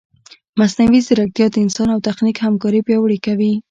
مصنوعي ځیرکتیا د انسان او تخنیک همکاري پیاوړې کوي.